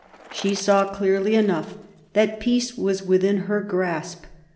She saw clearly enough that peace was within her grasp.